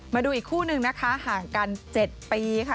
มาดูอีกคู่นึงนะคะห่างกัน๗ปีค่ะ